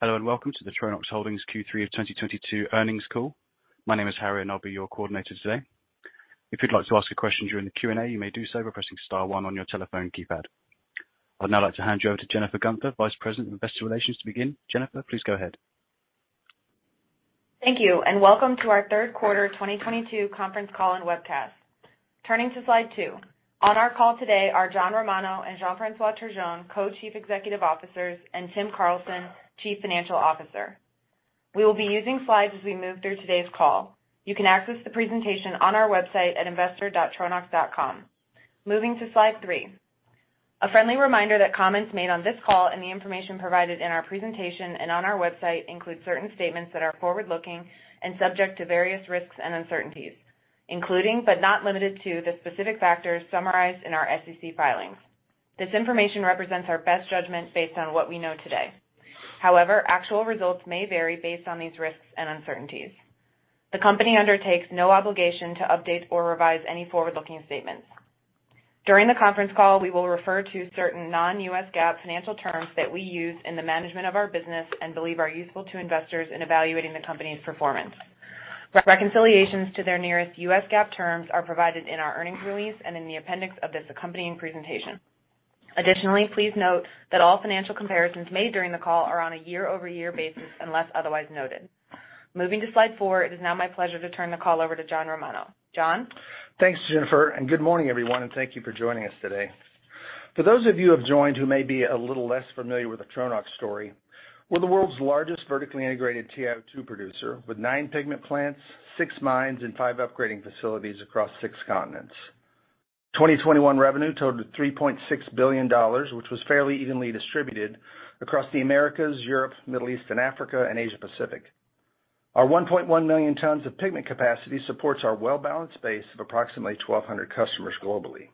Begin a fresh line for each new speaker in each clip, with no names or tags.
Hello, and welcome to the Tronox Holdings Q3 2022 earnings call. My name is Harry, and I'll be your coordinator today. If you'd like to ask a question during the Q&A, you may do so by pressing star one on your telephone keypad. I'd now like to hand you over to Jennifer Guenther, Vice President of Investor Relations, to begin. Jennifer, please go ahead.
Thank you, and welcome to our third quarter 2022 conference call and webcast. Turning to slide 2. On our call today are John Romano and Jean-François Turgeon, Co-Chief Executive Officers, and Tim Carlson, Chief Financial Officer. We will be using slides as we move through today's call. You can access the presentation on our website at investor.tronox.com. Moving to slide 3. A friendly reminder that comments made on this call and the information provided in our presentation and on our website include certain statements that are forward-looking and subject to various risks and uncertainties, including, but not limited to, the specific factors summarized in our SEC filings. This information represents our best judgment based on what we know today. However, actual results may vary based on these risks and uncertainties. The company undertakes no obligation to update or revise any forward-looking statements. During the conference call, we will refer to certain non-U.S. GAAP financial terms that we use in the management of our business and believe are useful to investors in evaluating the company's performance. Reconciliations to their nearest U.S. GAAP terms are provided in our earnings release and in the appendix of this accompanying presentation. Additionally, please note that all financial comparisons made during the call are on a year-over-year basis unless otherwise noted. Moving to slide four. It is now my pleasure to turn the call over to John Romano. John?
Thanks, Jennifer, and good morning, everyone, and thank you for joining us today. For those of you who have joined who may be a little less familiar with the Tronox story, we're the world's largest vertically integrated TiO2 producer, with nine pigment plants, six mines, and five upgrading facilities across six continents. 2021 revenue totaled $3.6 billion, which was fairly evenly distributed across the Americas, Europe, Middle East and Africa, and Asia Pacific. Our 1.1 million tons of pigment capacity supports our well-balanced base of approximately 1,200 customers globally.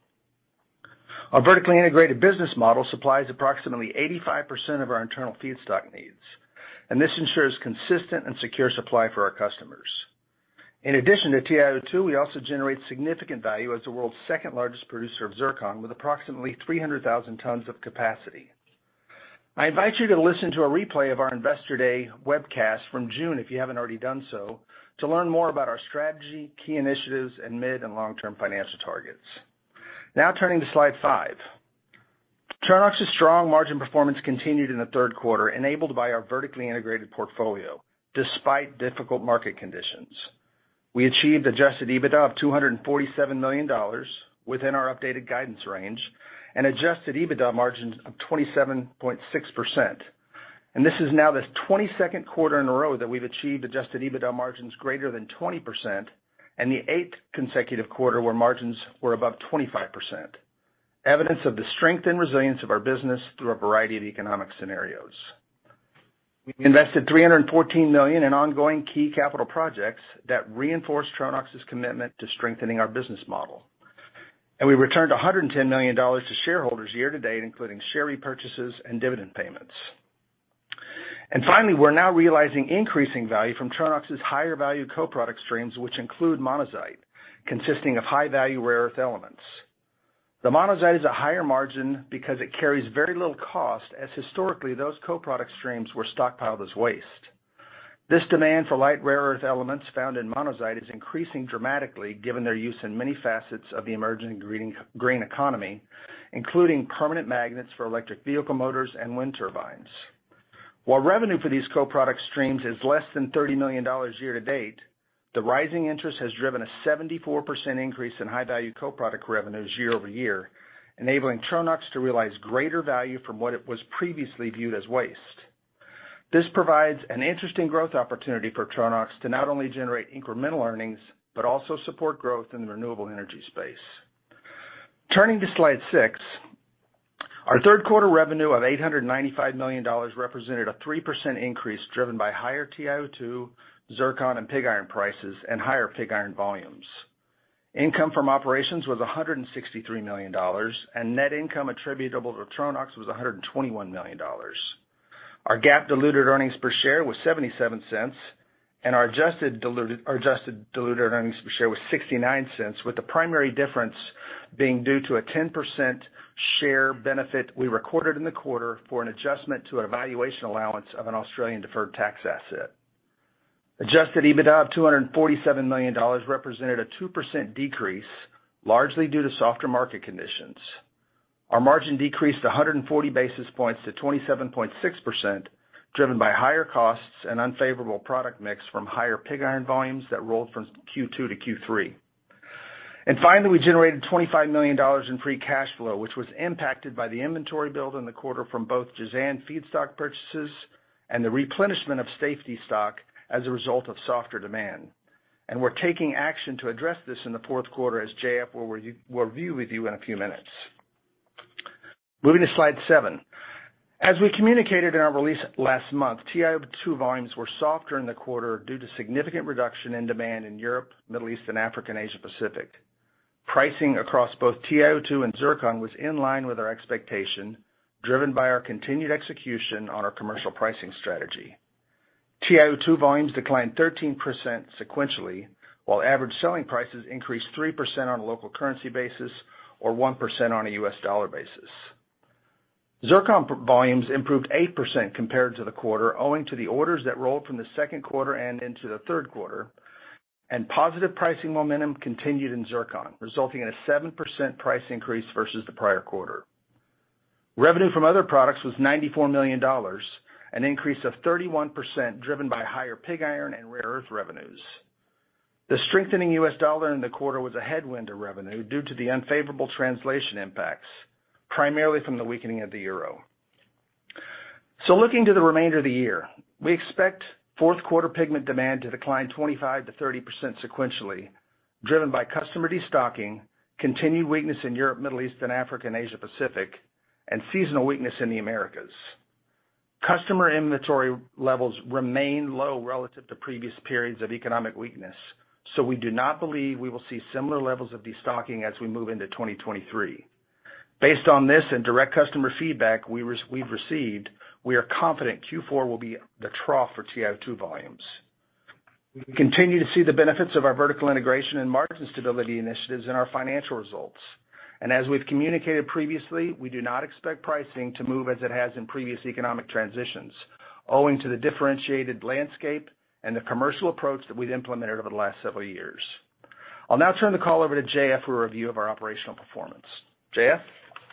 Our vertically integrated business model supplies approximately 85% of our internal feedstock needs, and this ensures consistent and secure supply for our customers. In addition to TiO2, we also generate significant value as the world's second-largest producer of zircon, with approximately 300,000 tons of capacity. I invite you to listen to a replay of our Investor Day webcast from June, if you haven't already done so, to learn more about our strategy, key initiatives, and mid- and long-term financial targets. Now turning to slide five. Tronox's strong margin performance continued in the third quarter, enabled by our vertically integrated portfolio despite difficult market conditions. We achieved adjusted EBITDA of $247 million within our updated guidance range and adjusted EBITDA margins of 27.6%. This is now the 22nd quarter in a row that we've achieved adjusted EBITDA margins greater than 20% and the eighth consecutive quarter where margins were above 25%, evidence of the strength and resilience of our business through a variety of economic scenarios. We invested $314 million in ongoing key capital projects that reinforce Tronox's commitment to strengthening our business model. We returned $110 million to shareholders year-to-date, including share repurchases and dividend payments. Finally, we're now realizing increasing value from Tronox's higher-value co-product streams, which include monazite, consisting of high-value rare earth elements. The monazite is a higher margin because it carries very little cost, as historically, those co-product streams were stockpiled as waste. This demand for light rare earth elements found in monazite is increasing dramatically, given their use in many facets of the emerging green economy, including permanent magnets for electric vehicle motors and wind turbines. While revenue for these co-product streams is less than $30 million year-to-date, the rising interest has driven a 74% increase in high-value co-product revenues year-over-year, enabling Tronox to realize greater value from what it was previously viewed as waste. This provides an interesting growth opportunity for Tronox to not only generate incremental earnings, but also support growth in the renewable energy space. Turning to slide 6. Our third quarter revenue of $895 million represented a 3% increase driven by higher TiO2, zircon, and pig iron prices and higher pig iron volumes. Income from operations was $163 million, and net income attributable to Tronox was $121 million. Our GAAP diluted earnings per share was $0.77, and our adjusted diluted earnings per share was $0.69, with the primary difference being due to a 10% share benefit we recorded in the quarter for an adjustment to a valuation allowance of an Australian deferred tax asset. Adjusted EBITDA of $247 million represented a 2% decrease, largely due to softer market conditions. Our margin decreased 140 basis points to 27.6%, driven by higher costs and unfavorable product mix from higher pig iron volumes that rolled from Q2 to Q3. Finally, we generated $25 million in free cash flow, which was impacted by the inventory build in the quarter from both Jazan feedstock purchases and the replenishment of safety stock as a result of softer demand. We're taking action to address this in the Q4, as JF will review with you in a few minutes. Moving to slide 7. As we communicated in our release last month, TiO2 volumes were softer in the quarter due to significant reduction in demand in Europe, Middle East and Africa, and Asia Pacific. Pricing across both TiO2 and zircon was in line with our expectation, driven by our continued execution on our commercial pricing strategy. TiO2 volumes declined 13% sequentially, while average selling prices increased 3% on a local currency basis or 1% on a U.S. dollar basis. Zircon volumes improved 8% compared to the quarter, owing to the orders that rolled from the Q2 and into the third quarter. Positive pricing momentum continued in zircon, resulting in a 7% price increase versus the prior quarter. Revenue from other products was $94 million, an increase of 31% driven by higher pig iron and rare earth revenues. The strengthening U.S. dollar in the quarter was a headwind to revenue due to the unfavorable translation impacts, primarily from the weakening of the euro. Looking to the remainder of the year, we expect Q4 pigment demand to decline 25%-30% sequentially, driven by customer destocking, continued weakness in Europe, Middle East and Africa, and Asia Pacific, and seasonal weakness in the Americas. Customer inventory levels remain low relative to previous periods of economic weakness, so we do not believe we will see similar levels of destocking as we move into 2023. Based on this and direct customer feedback we've received, we are confident Q4 will be the trough for TiO2 volumes. We continue to see the benefits of our vertical integration and margin stability initiatives in our financial results. As we've communicated previously, we do not expect pricing to move as it has in previous economic transitions, owing to the differentiated landscape and the commercial approach that we've implemented over the last several years. I'll now turn the call over to Jean for a review of our operational performance. Jean?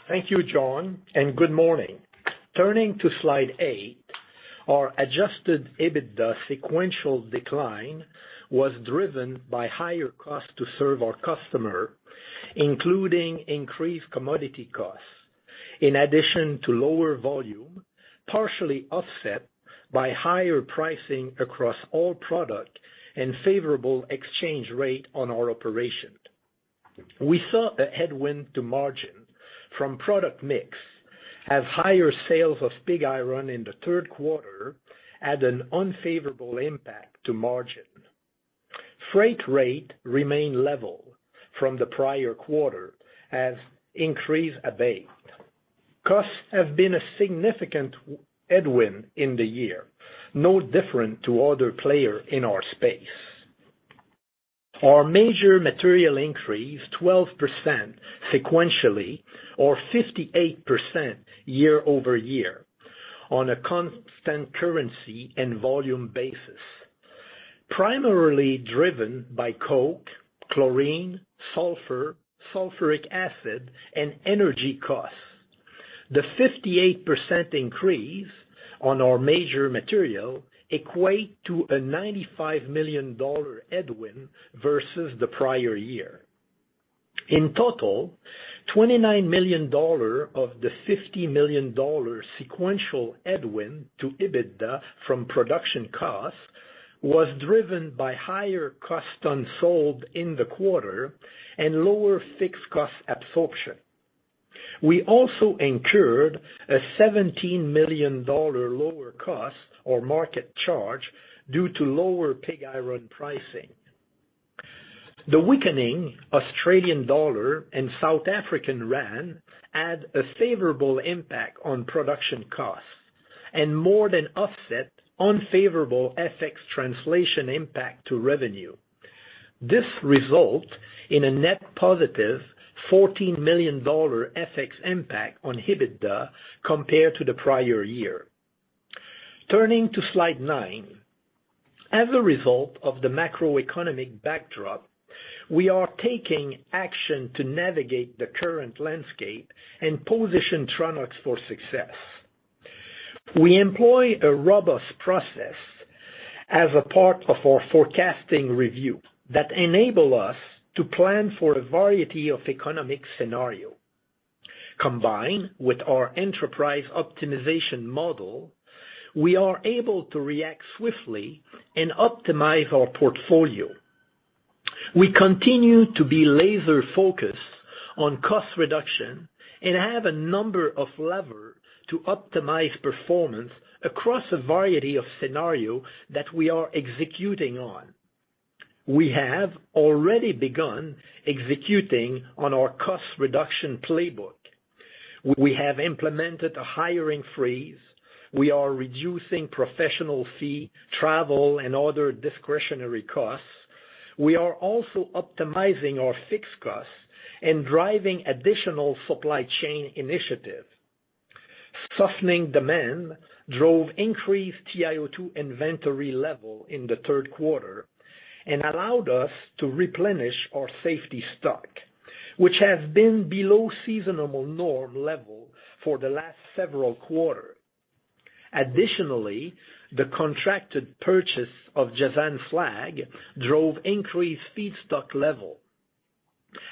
Thank you, John, and good morning. Turning to slide 8, our Adjusted EBITDA sequential decline was driven by higher costs to serve our customers, including increased commodity costs, in addition to lower volume, partially offset by higher pricing across all products and favorable exchange rates on our operations. We saw a headwind to margin from product mix as higher sales of pig iron in the third quarter had an unfavorable impact to margin. Freight rates remained level from the prior quarter as increases abated. Costs have been a significant headwind in the year, no different than other players in our space. Our major materials increased 12% sequentially or 58% year-over-year on a constant currency and volume basis, primarily driven by coke, chlorine, sulfur, sulfuric acid, and energy costs. The 58% increase on our major material equate to a $95 million headwind versus the prior year. In total, $29 million of the $50 million sequential headwind to EBITDA from production costs was driven by higher cost unsold in the quarter and lower fixed cost absorption. We also incurred a $17 million lower of cost or market charge due to lower pig iron pricing. The weakening Australian dollar and South African rand had a favorable impact on production costs and more than offset unfavorable FX translation impact to revenue. This result in a net positive $14 million FX impact on EBITDA compared to the prior year. Turning to slide nine. As a result of the macroeconomic backdrop, we are taking action to navigate the current landscape and position Tronox for success. We employ a robust process as a part of our forecasting review that enables us to plan for a variety of economic scenarios. Combined with our enterprise optimization model, we are able to react swiftly and optimize our portfolio. We continue to be laser-focused on cost reduction and have a number of levers to optimize performance across a variety of scenarios that we are executing on. We have already begun executing on our cost reduction playbook. We have implemented a hiring freeze. We are reducing professional fees, travel, and other discretionary costs. We are also optimizing our fixed costs and driving additional supply chain initiatives. Softening demand drove increased TiO2 inventory levels in the third quarter and allowed us to replenish our safety stock, which has been below seasonal normal levels for the last several quarters. Additionally, the contracted purchase of Jazan slag drove increased feedstock levels.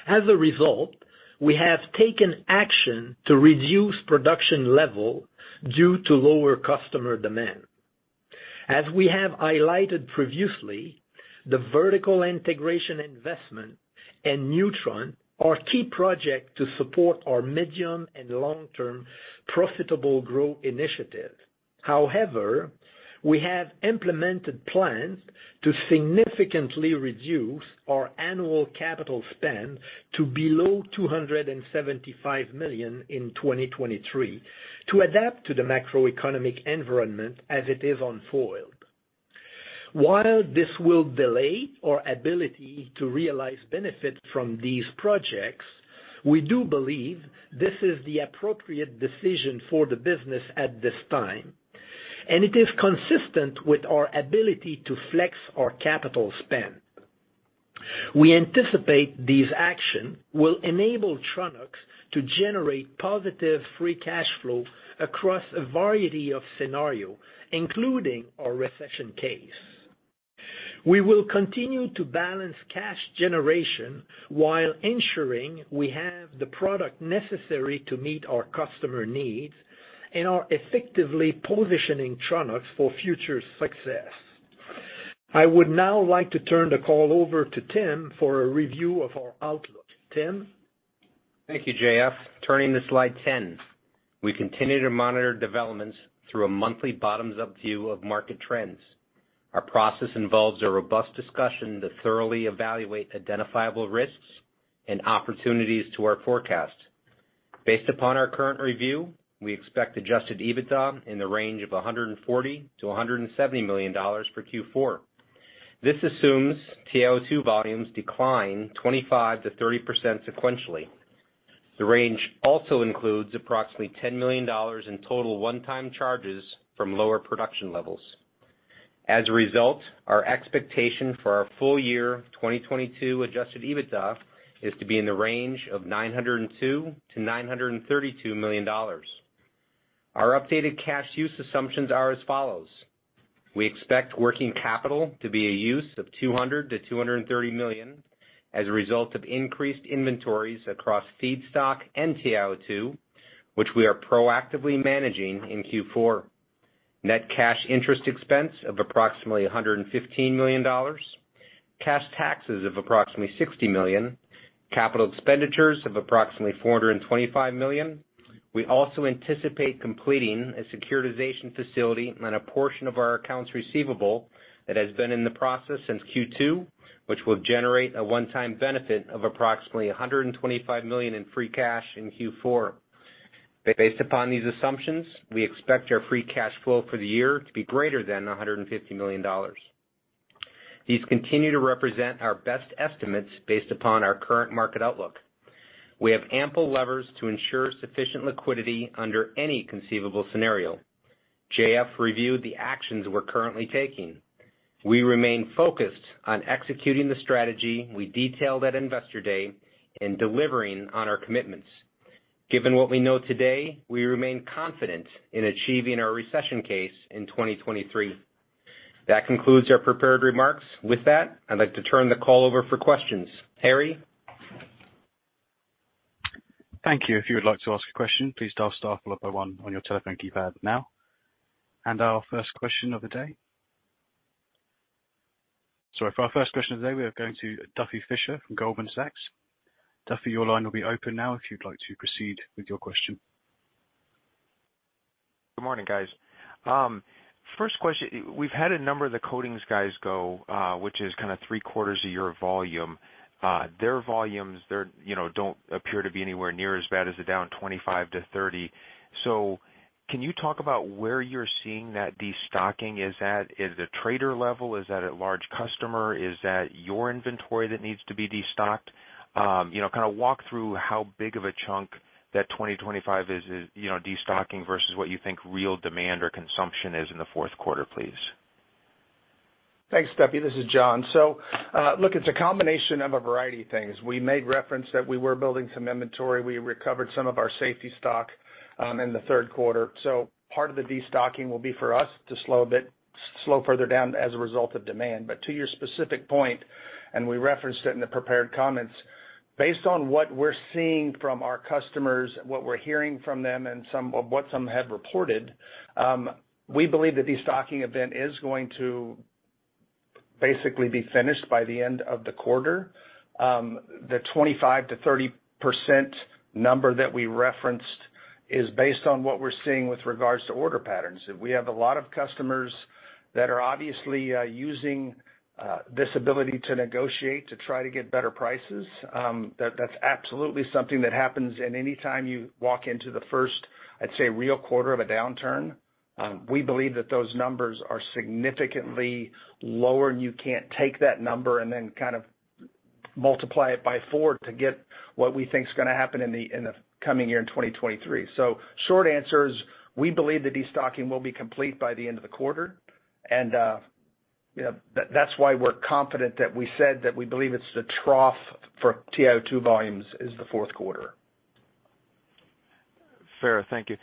As a result, we have taken action to reduce production level due to lower customer demand. As we have highlighted previously, the vertical integration investment in NewTRON are key project to support our medium and long-term profitable growth initiative. However, we have implemented plans to significantly reduce our annual capital spend to below $275 million in 2023 to adapt to the macroeconomic environment as it unfolds.
While this will delay our ability to realize benefits from these projects, we do believe this is the appropriate decision for the business at this time, and it is consistent with our ability to flex our capital spend. We anticipate these actions will enable Tronox to generate positive free cash flow across a variety of scenarios, including our recession case. We will continue to balance cash generation while ensuring we have the product necessary to meet our customer needs and are effectively positioning Tronox for future success. I would now like to turn the call over to Tim for a review of our outlook. Tim?
Thank you, JF. Turning to slide 10. We continue to monitor developments through a monthly bottoms-up view of market trends. Our process involves a robust discussion to thoroughly evaluate identifiable risks and opportunities to our forecast. Based upon our current review, we expect Adjusted EBITDA in the range of $140 million-$170 million for Q4. This assumes TiO2 volumes decline 25%-30% sequentially. The range also includes approximately $10 million in total one-time charges from lower production levels. As a result, our expectation for our full year 2022 Adjusted EBITDA is to be in the range of $902 million-$932 million. Our updated cash use assumptions are as follows: We expect working capital to be a use of $200-$230 million as a result of increased inventories across feedstock and TiO2, which we are proactively managing in Q4. Net cash interest expense of approximately $115 million. Cash taxes of approximately $60 million. Capital expenditures of approximately $425 million. We also anticipate completing a securitization facility on a portion of our accounts receivable that has been in the process since Q2, which will generate a one-time benefit of approximately $125 million in free cash in Q4. Based upon these assumptions, we expect our free cash flow for the year to be greater than $150 million. These continue to represent our best estimates based upon our current market outlook. We have ample levers to ensure sufficient liquidity under any conceivable scenario. JF reviewed the actions we're currently taking. We remain focused on executing the strategy we detailed at Investor Day and delivering on our commitments. Given what we know today, we remain confident in achieving our recession case in 2023. That concludes our prepared remarks. With that, I'd like to turn the call over for questions. Harry?
Thank you. If you would like to ask a question, please dial star followed by one on your telephone keypad now. Our first question of the day. Sorry, for our first question of the day, we are going to Duffy Fischer from Goldman Sachs. Duffy, your line will be open now if you'd like to proceed with your question.
Good morning, guys. First question. We've had a number of the coatings guys go, which is kinda three quarters of your volume. Their volumes, they're, you know, don't appear to be anywhere near as bad as the down 25%-30%. Can you talk about where you're seeing that destocking is at? Is it a trader level? Is that at large customer? Is that your inventory that needs to be destocked? You know, kinda walk through how big of a chunk that 25 is, destocking versus what you think real demand or consumption is in the Q4, please.
Thanks, Duffy. This is John. Look, it's a combination of a variety of things. We made reference that we were building some inventory. We recovered some of our safety stock in the third quarter. Part of the destocking will be for us to slow a bit, slow further down as a result of demand. But to your specific point, and we referenced it in the prepared comments, based on what we're seeing from our customers, what we're hearing from them and some of what some have reported, we believe the destocking event is going to basically be finished by the end of the quarter. The 25%-30% number that we referenced is based on what we're seeing with regards to order patterns. We have a lot of customers that are obviously using this ability to negotiate to try to get better prices. That's absolutely something that happens. Anytime you walk into the first, I'd say, real quarter of a downturn, we believe that those numbers are significantly lower. You can't take that number and then kind of multiply it by four to get what we think is gonna happen in the coming year in 2023. Short answer is we believe the destocking will be complete by the end of the quarter, and you know, that's why we're confident that we said that we believe it's the trough for TiO2 volumes is the Q4.
Fair. Thank you.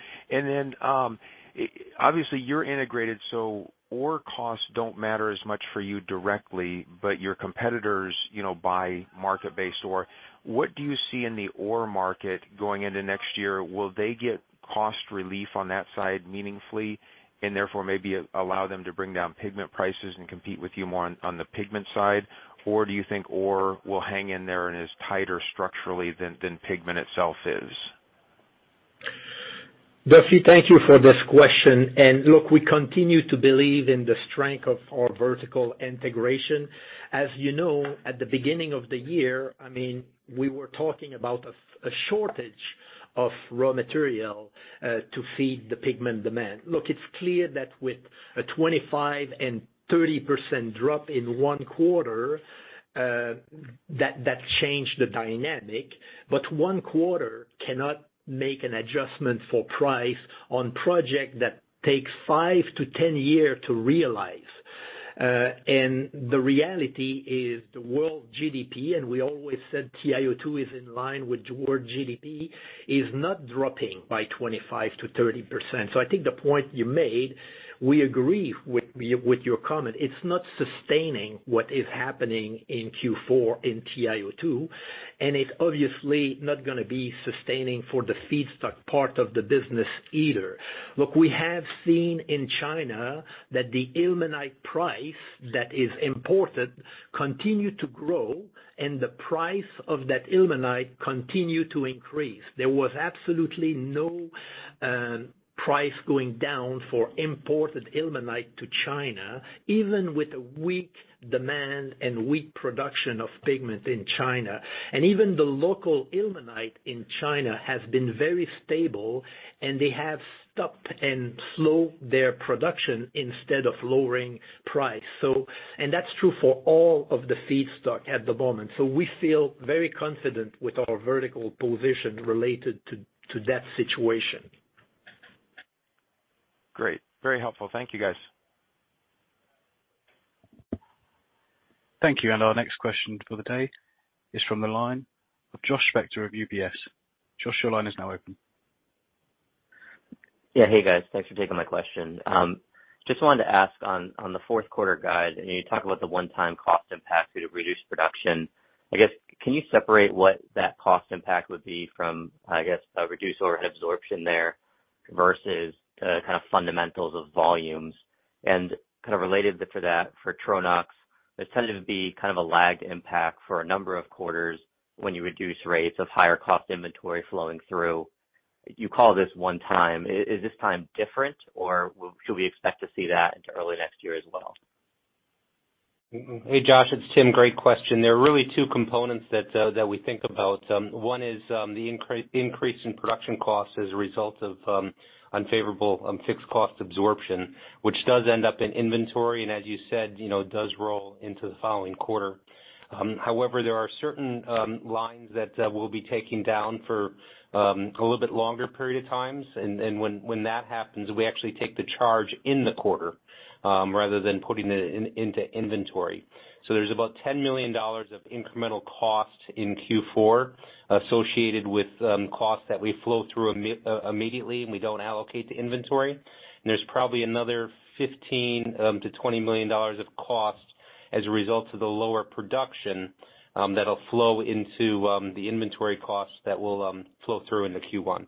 Obviously, you're integrated, so ore costs don't matter as much for you directly, but your competitors, you know, buy market-based ore. What do you see in the ore market going into next year? Will they get cost relief on that side meaningfully and therefore maybe allow them to bring down pigment prices and compete with you more on the pigment side? Or do you think ore will hang in there and is tighter structurally than pigment itself is?
Duffy, thank you for this question. Look, we continue to believe in the strength of our vertical integration. As you know, at the beginning of the year, I mean, we were talking about a shortage.
Of raw material to feed the pigment demand. Look, it's clear that with a 25%-30% drop in one quarter, that changed the dynamic. One quarter cannot make an adjustment for pricing on projects that takes five-10 years to realize. The reality is the world GDP, and we always said TiO2 is in line with world GDP, is not dropping by 25%-30%. I think the point you made, we agree with your comment. It's not sustaining what is happening in Q4 in TiO2, and it's obviously not gonna be sustaining for the feedstock part of the business either. Look, we have seen in China that the ilmenite price that is imported continue to grow and the price of that ilmenite continue to increase. There was absolutely no price going down for imported ilmenite to China, even with a weak demand and weak production of pigment in China. Even the local ilmenite in China has been very stable and they have stopped and slowed their production instead of lowering price. That's true for all of the feedstock at the moment. We feel very confident with our vertical position related to that situation.
Great. Very helpful. Thank you, guys.
Thank you. Our next question for the day is from the line of Josh Spector of UBS. Josh, your line is now open.
Yeah. Hey, guys. Thanks for taking my question. Just wanted to ask on the Q4 guide, and you talked about the one-time cost impact due to reduced production. I guess, can you separate what that cost impact would be from, I guess, a reduced overhead absorption there versus kind of fundamentals of volumes? And kind of related to that, for Tronox, there tended to be kind of a lagged impact for a number of quarters when you reduce rates of higher cost inventory flowing through. You call this one time. Is this time different or should we expect to see that into early next year as well?
Hey, Josh, it's Tim. Great question. There are really two components that we think about. One is the increase in production costs as a result of unfavorable fixed cost absorption, which does end up in inventory, and as you said, you know, does roll into the following quarter. However, there are certain lines that we'll be taking down for a little bit longer period of times. When that happens, we actually take the charge in the quarter rather than putting it into inventory. There's about $10 million of incremental cost in Q4 associated with costs that we flow through immediately, and we don't allocate to inventory. There's probably another $15-$20 million of cost as a result of the lower production, that'll flow into the inventory costs that will flow through into Q1.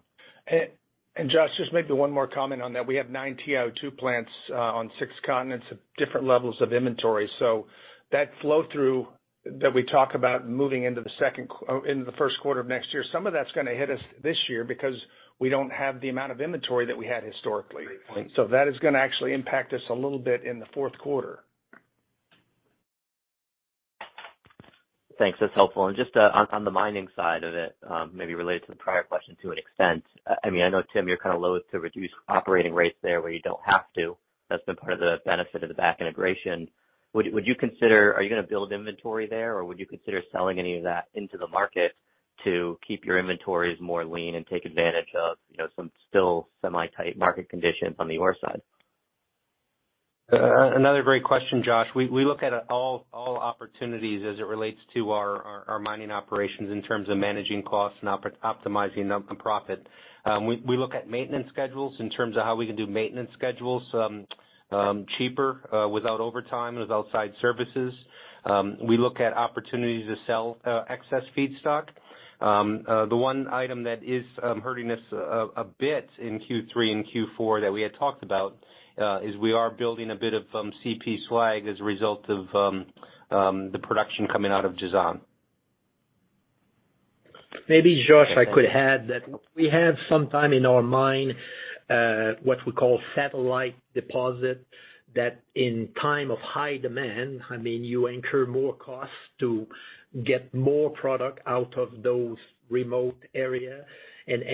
Josh, just maybe one more comment on that. We have nine TiO2 plants on six continents at different levels of inventory. That flow-through that we talk about moving into the Q1 of next year, some of that's gonna hit us this year because we don't have the amount of inventory that we had historically.
Great point.
That is gonna actually impact us a little bit in the Q4.
Thanks. That's helpful. Just on the mining side of it, maybe related to the prior question to an extent. I mean, I know, Tim, you're kind of loathe to reduce operating rates there where you don't have to. That's been part of the benefit of the backward integration. Are you gonna build inventory there or would you consider selling any of that into the market to keep your inventories more lean and take advantage of some still semi-tight market conditions on the ore side?
Another great question, Josh. We look at all opportunities as it relates to our mining operations in terms of managing costs and optimizing the profit. We look at maintenance schedules in terms of how we can do maintenance schedules cheaper, without overtime and without side services. We look at opportunities to sell excess feedstock. The one item that is hurting us a bit in Q3 and Q4 that we had talked about is we are building a bit of CP slag as a result of the production coming out of Jazan.
Maybe, Josh, I could add that we have some timeline in mind, what we call satellite deposit, that in time of high demand, I mean, you incur more costs to get more product out of those remote areas.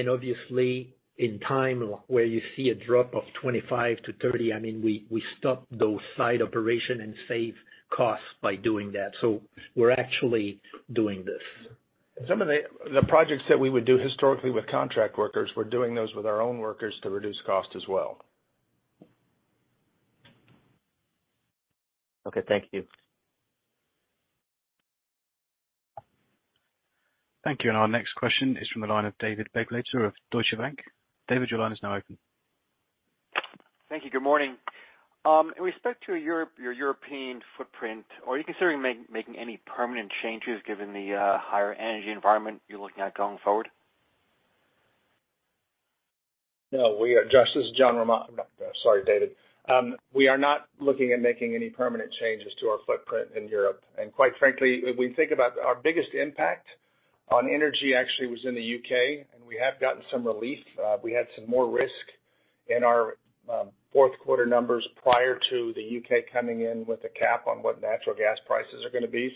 Obviously in times where you see a drop of 25%-30%, I mean, we stop those site operations and save costs by doing that. We're actually doing this.
Some of the projects that we would do historically with contract workers, we're doing those with our own workers to reduce cost as well.
Okay. Thank you.
Thank you. Our next question is from the line of David Begleiter of Deutsche Bank. David, your line is now open.
Thank you. Good morning. With respect to your European footprint, are you considering making any permanent changes given the higher energy environment you're looking at going forward?
No, Josh, this is John Romano. Sorry, David. We are not looking at making any permanent changes to our footprint in Europe. Quite frankly, if we think about our biggest impact on energy actually was in the U.K., and we have gotten some relief. We had some more risk in our Q4 numbers prior to the U.K. coming in with a cap on what natural gas prices are gonna be.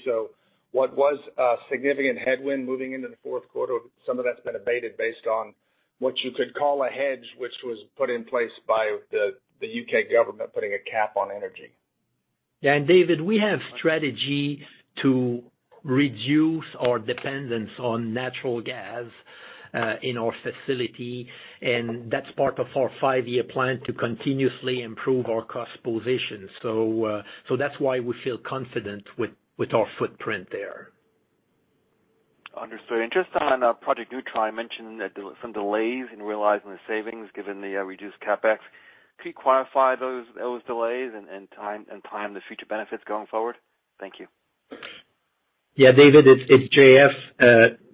What was a significant headwind moving into the Q4, some of that's been abated based on what you could call a hedge, which was put in place by the U.K. government putting a cap on energy.
Yeah. David, we have a strategy to reduce our dependence on natural gas in our facility, and that's part of our five-year plan to continuously improve our cost position. That's why we feel confident with our footprint there.
Understood. Just on Project NewTRON, you mentioned that there were some delays in realizing the savings given the reduced CapEx. Could you quantify those delays and time the future benefits going forward? Thank you.
Yeah. David, it's J.F.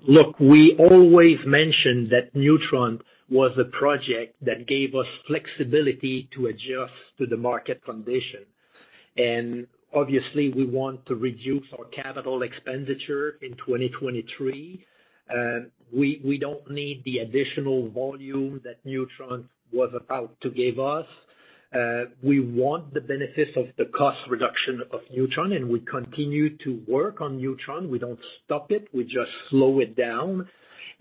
Look, we always mention that NewTRON was a project that gave us flexibility to adjust to the market condition. Obviously, we want to reduce our capital expenditure in 2023. We don't need the additional volume that NewTRON was about to give us. We want the benefits of the cost reduction of NewTRON, and we continue to work on NewTRON. We don't stop it. We just slow it down.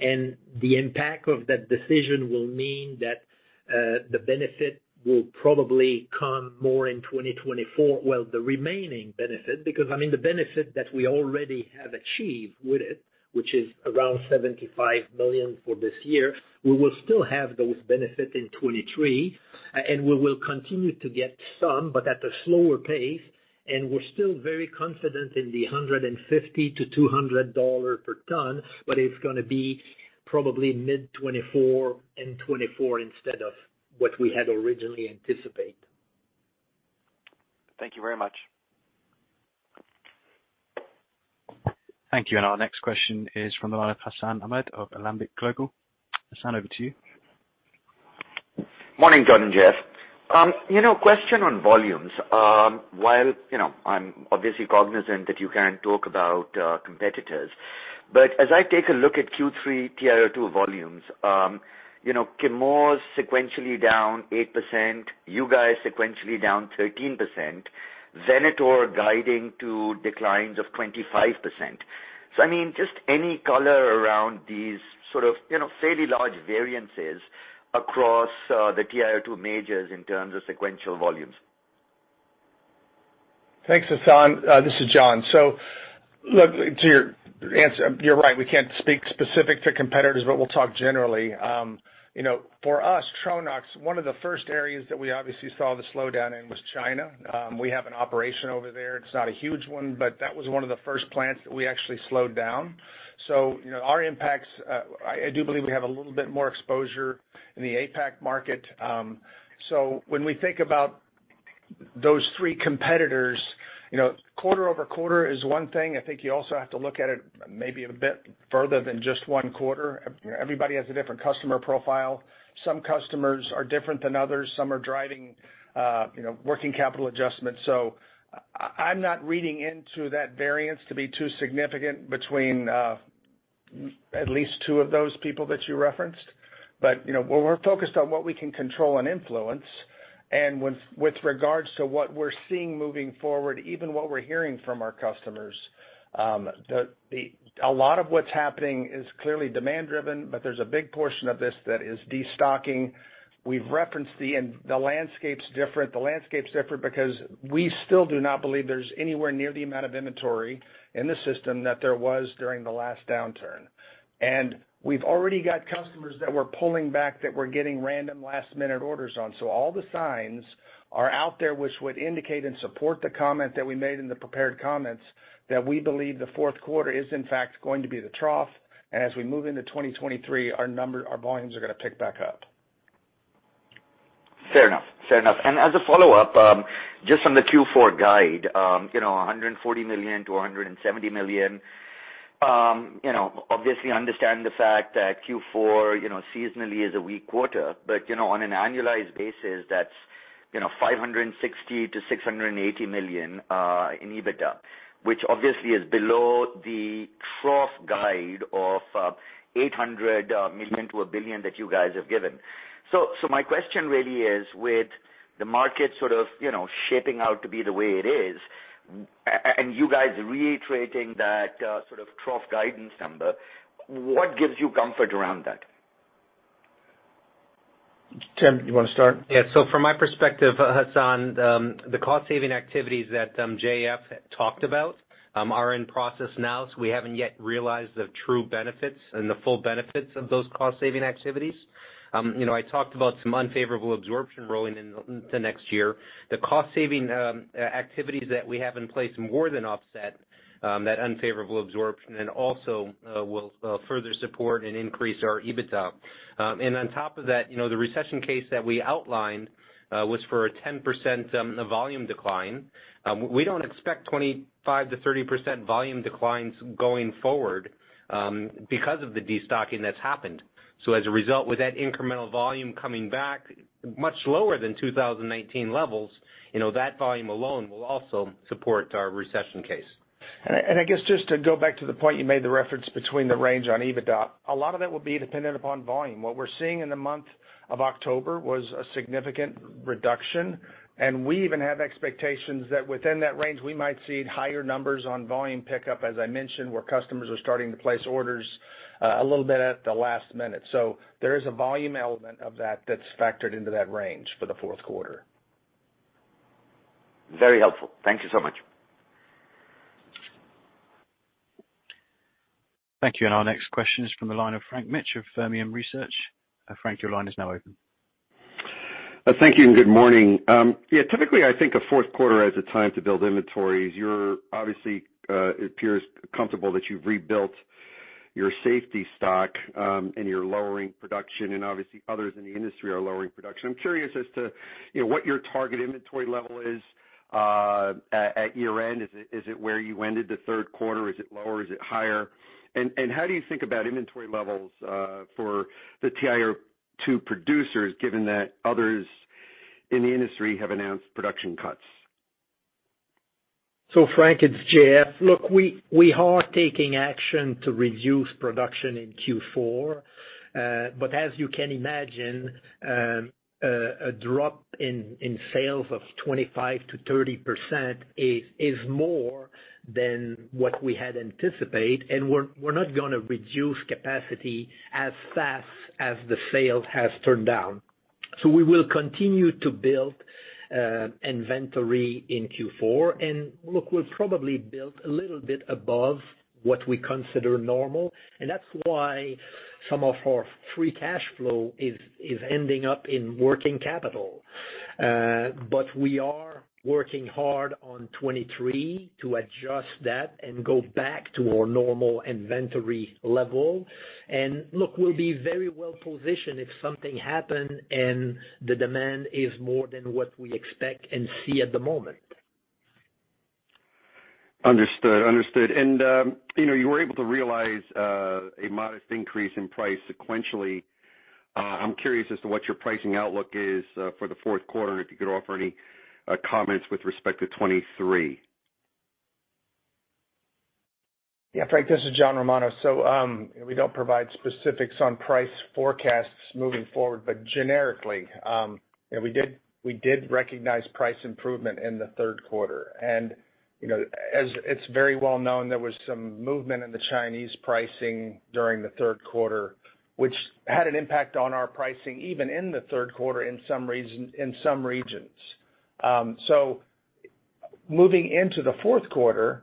The impact of that decision will mean that the benefit will probably come more in 2024, well, the remaining benefit. Because, I mean, the benefit that we already have achieved with it, which is around $75 million for this year, we will still have those benefits in 2023, and we will continue to get some, but at a slower pace. We're still very confident in the $150-$200 per ton, but it's gonna be probably mid-2024 and 2024 instead of what we had originally anticipate.
Thank you very much.
Thank you. Our next question is from Hassan Ahmed of Alembic Global. Hassan, over to you.
Morning, John and J.F. You know, question on volumes. While, you know, I'm obviously cognizant that you can't talk about competitors, but as I take a look at Q3 TiO2 volumes, you know, Chemours sequentially down 8%, you guys sequentially down 13%, Venator guiding to declines of 25%. I mean, just any color around these sort of, you know, fairly large variances across the TiO2 majors in terms of sequential volumes.
Thanks, Hassan. This is John. Look, to your answer, you're right, we can't speak specific to competitors, but we'll talk generally. You know, for us, Tronox, one of the first areas that we obviously saw the slowdown in was China. We have an operation over there. It's not a huge one, but that was one of the first plants that we actually slowed down. You know, our impacts, I do believe we have a little bit more exposure in the APAC market. When we think about those three competitors, you know, quarter-over-quarter is one thing. I think you also have to look at it maybe a bit further than just one quarter. Everybody has a different customer profile. Some customers are different than others. Some are driving, you know, working capital adjustments. I'm not reading into that variance to be too significant between at least two of those people that you referenced. You know, we're focused on what we can control and influence. With regards to what we're seeing moving forward, even what we're hearing from our customers, a lot of what's happening is clearly demand-driven, but there's a big portion of this that is destocking. We've referenced the landscape's different. The landscape's different because we still do not believe there's anywhere near the amount of inventory in the system that there was during the last downturn. We've already got customers that we're pulling back that we're getting random last-minute orders on. All the signs are out there which would indicate and support the comment that we made in the prepared comments that we believe the Q4 is in fact going to be the trough. As we move into 2023, our number, our volumes are gonna pick back up.
Fair enough. As a follow-up, just on the Q4 guide, you know, $140 million-$170 million, you know, obviously understand the fact that Q4, you know, seasonally is a weak quarter. You know, on an annualized basis, that's, you know, $560 million-$680 million in EBITDA, which obviously is below the trough guide of $800 million-$1 billion that you guys have given. My question really is, with the market sort of, you know, shaping out to be the way it is, and you guys reiterating that sort of trough guidance number, what gives you comfort around that?
Tim, you wanna start?
Yeah. From my perspective, Hassan, the cost-saving activities that JF talked about are in process now. We haven't yet realized the true benefits and the full benefits of those cost-saving activities. You know, I talked about some unfavorable absorption rolling in, into next year. The cost-saving activities that we have in place more than offset that unfavorable absorption and also will further support and increase our EBITDA. On top of that, you know, the recession case that we outlined was for a 10% volume decline. We don't expect 25%-30% volume declines going forward, because of the destocking that's happened. As a result, with that incremental volume coming back much lower than 2019 levels, you know, that volume alone will also support our recession case.
I guess just to go back to the point you made the reference between the range on EBITDA, a lot of that will be dependent upon volume. What we're seeing in the month of October was a significant reduction, and we even have expectations that within that range we might see higher numbers on volume pickup, as I mentioned, where customers are starting to place orders, a little bit at the last minute. There is a volume element of that that's factored into that range for the Q4.
Very helpful. Thank you so much.
Thank you. Our next question is from the line of Frank Mitsch of Fermium Research. Frank, your line is now open.
Thank you and good morning. Yeah, typically, I think of Q4 as a time to build inventories. You're obviously, it appears comfortable that you've rebuilt your safety stock, and you're lowering production and obviously others in the industry are lowering production. I'm curious as to, you know, what your target inventory level is, at year-end. Is it where you ended the third quarter? Is it lower? Is it higher? How do you think about inventory levels, for the TiO2 producers, given that others in the industry have announced production cuts?
Frank, it's Jean. Look, we are taking action to reduce production in Q4. As you can imagine, a drop in sales of 25%-30% is more than what we had anticipated. We're not gonna reduce capacity as fast as the sales has turned down. We will continue to build inventory in Q4. Look, we'll probably build a little bit above what we consider normal, and that's why some of our free cash flow is ending up in working capital. We are working hard on 2023 to adjust that and go back to our normal inventory level. Look, we'll be very well positioned if something happens and the demand is more than what we expect and see at the moment.
Understood. You know, you were able to realize a modest increase in price sequentially. I'm curious as to what your pricing outlook is for the Q4, and if you could offer any comments with respect to 2023.
Yeah. Frank, this is John Romano. We don't provide specifics on price forecasts moving forward. Generically, you know, we did recognize price improvement in the third quarter. You know, as it's very well known, there was some movement in the Chinese pricing during the third quarter, which had an impact on our pricing even in the third quarter in some regions. Moving into the Q4,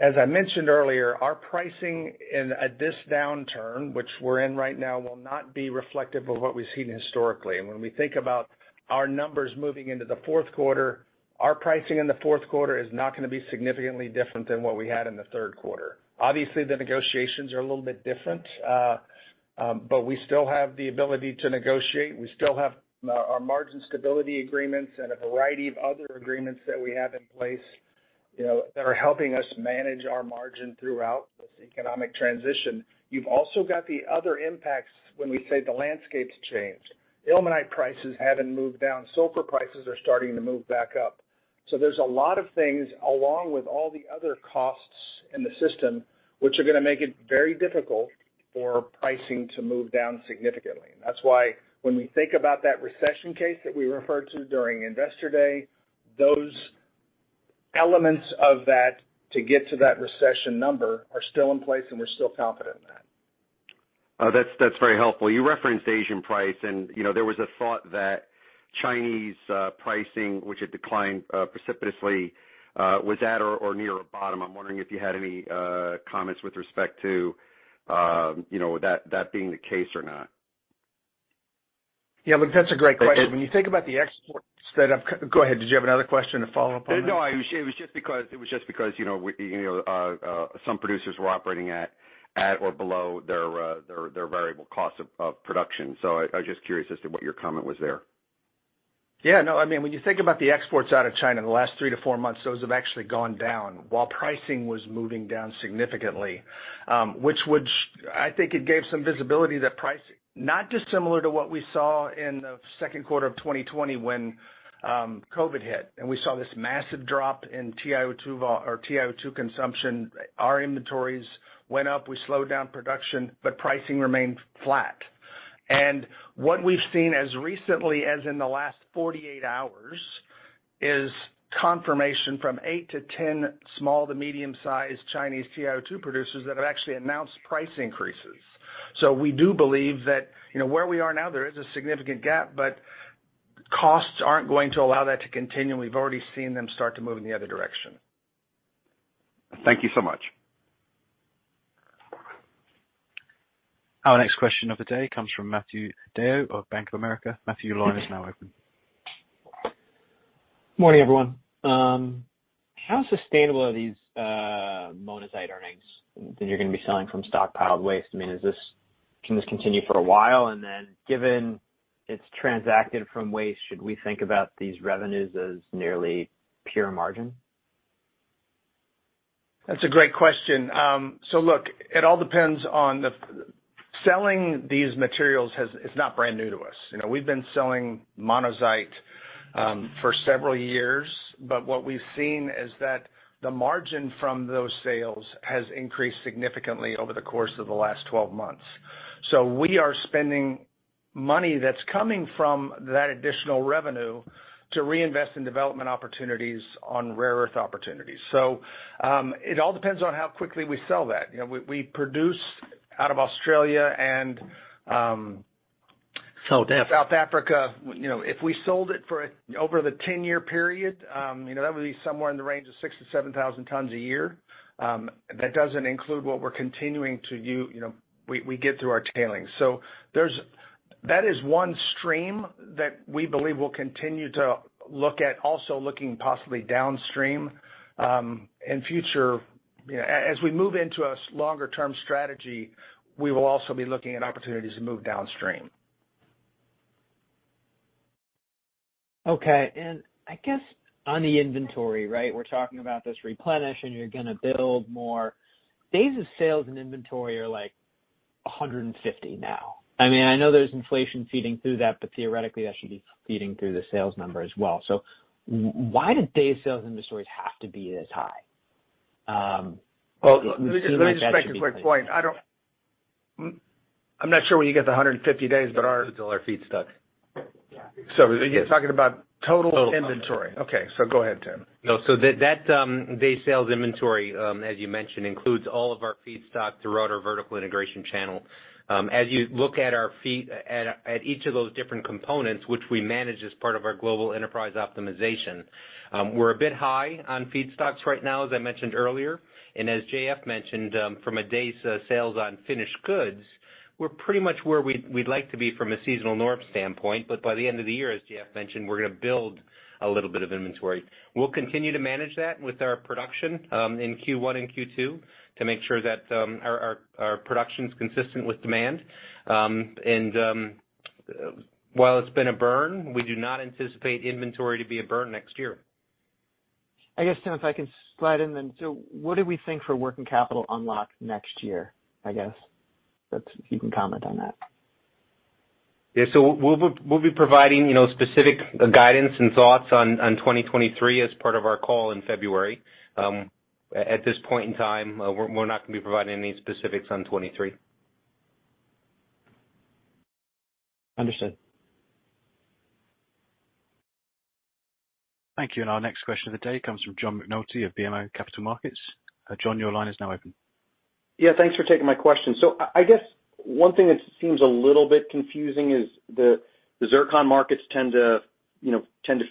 as I mentioned earlier, our pricing in, at this downturn, which we're in right now, will not be reflective of what we've seen historically. When we think about our numbers moving into the Q4, our pricing in the Q4 is not gonna be significantly different than what we had in the third quarter. Obviously, the negotiations are a little bit different, but we still have the ability to negotiate. We still have our margin stability agreements and a variety of other agreements that we have in place, you know, that are helping us manage our margin throughout this economic transition. You've also got the other impacts when we say the landscape's changed. Ilmenite prices haven't moved down. Sulfur prices are starting to move back up. So there's a lot of things along with all the other costs in the system which are gonna make it very difficult for pricing to move down significantly. That's why when we think about that recession case that we referred to during Investor Day, those elements of that to get to that recession number are still in place, and we're still confident in that.
Oh, that's very helpful. You referenced Asian price and, you know, there was a thought that Chinese pricing, which had declined precipitously, was at or near a bottom. I'm wondering if you had any comments with respect to, you know, that being the case or not.
Yeah. Look, that's a great question. When you think about the exports that I've. Go ahead. Did you have another question to follow up on that?
No, it was just because, you know, some producers were operating at or below their variable costs of production. So I was just curious as to what your comment was there.
Yeah, no, I mean, when you think about the exports out of China in the last three-four months, those have actually gone down while pricing was moving down significantly. I think it gave some visibility that price, not dissimilar to what we saw in the Q2 of 2020 when COVID hit and we saw this massive drop in TiO2 or TiO2 consumption. Our inventories went up. We slowed down production, but pricing remained flat. What we've seen as recently as in the last 48 hours is confirmation from eight-10 small to medium-sized Chinese TiO2 producers that have actually announced price increases. We do believe that, you know, where we are now, there is a significant gap, but costs aren't going to allow that to continue. We've already seen them start to move in the other direction.
Thank you so much.
Our next question of the day comes from Michael Leithead of Barclays. Michael, your line is now open.
Morning, everyone. How sustainable are these monazite earnings that you're gonna be selling from stockpiled waste? I mean, can this continue for a while? Given it's transacted from waste, should we think about these revenues as nearly pure margin?
That's a great question. Look, it all depends on selling these materials. Selling these materials is not brand new to us. You know, we've been selling monazite for several years, but what we've seen is that the margin from those sales has increased significantly over the course of the last 12 months. We are spending money that's coming from that additional revenue to reinvest in development opportunities on rare earth opportunities. It all depends on how quickly we sell that. You know, we produce out of Australia and South Africa. You know, if we sold it for over the 10-year period, you know, that would be somewhere in the range of 6,000-7,000 tons a year. That doesn't include what we're continuing to do, you know, we get through our tailings. There's that is one stream that we believe we'll continue to look at, also looking possibly downstream, in future. You know, as we move into a longer term strategy, we will also be looking at opportunities to move downstream.
Okay. I guess on the inventory, right? We're talking about this replenish, and you're gonna build more. Days of sales and inventory are like 150 now. I mean, I know there's inflation feeding through that, but theoretically, that should be feeding through the sales number as well. Why did days sales inventory have to be as high? It seems like that should be pretty.
Well, let me just make a quick point. I'm not sure where you get the 150 days, but our-
It's all our feedstock.
You're talking about total inventory.
Total.
Okay. Go ahead, Tim.
No, that day sales inventory, as you mentioned, includes all of our feedstock throughout our vertical integration channel. As you look at our at each of those different components, which we manage as part of our global enterprise optimization, we're a bit high on feedstocks right now, as I mentioned earlier. As Jean mentioned, from a day's sales on finished goods, we're pretty much where we'd like to be from a seasonal norm standpoint, but by the end of the year, as Jean mentioned, we're gonna build a little bit of inventory. We'll continue to manage that with our production in Q1 and Q2 to make sure that our production is consistent with demand. While it's been a burn, we do not anticipate inventory to be a burn next year.
I guess, Tim, if I can slide in then. What do we think for working capital unlock next year, I guess? If that's, you can comment on that.
We'll be providing, you know, specific guidance and thoughts on 2023 as part of our call in February. At this point in time, we're not gonna be providing any specifics on 2023.
Understood.
Thank you. Our next question of the day comes from John McNulty of BMO Capital Markets. John, your line is now open.
Yeah, thanks for taking my question. I guess one thing that seems a little bit confusing is the zircon markets tend to, you know,